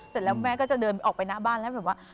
เสร็จแล้วแม่ก็จะเดินออกไปหน้าบ้านแล้วแบบว่า